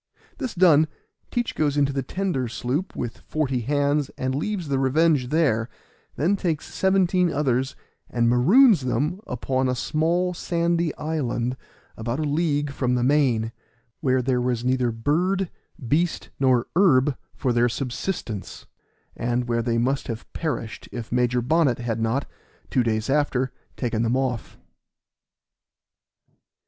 This done, Teach goes into the tender sloop, with forty hands, and leaves the Revenge there, then takes seventeen others and maroons them upon a small sandy island, about a league from the main, where there was neither bird, beast, or herb for their subsistence, and where they must have perished if Major Bonnet had not, two days after, taken them off.